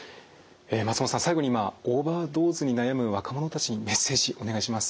松本さん最後に今オーバードーズに悩む若者たちにメッセージお願いします。